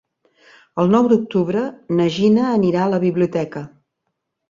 El nou d'octubre na Gina anirà a la biblioteca.